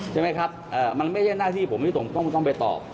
ใช่ไหมครับมันไม่ใช่หน้าที่ผมต้องไปตอบ